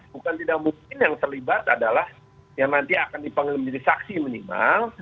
bukan tidak mungkin yang terlibat adalah yang nanti akan dipanggil menjadi saksi minimal